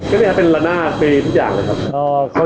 ซึ่งเป็นละหน้ากีทุกอย่างเลยครับ